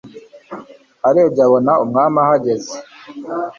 arebye abona umwami ahagaze